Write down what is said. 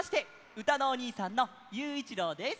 うたのおにいさんのゆういちろうです。